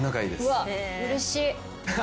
うわっうれしい。